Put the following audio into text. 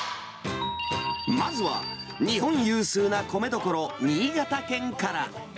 まずは日本有数な米どころ、新潟県から。